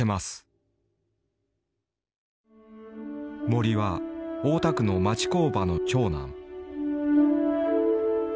森は大田区の町工場の長男。